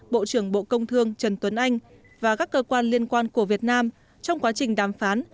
bộ trưởng bộ công thương trần tuấn anh và các cơ quan liên quan của việt nam trong quá trình đàm phán